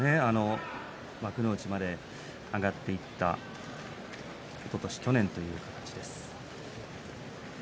幕内まで上がっていった今年、去年という形です。